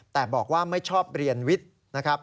แต่บอกว่าไม่ชอบเรียนวิทย์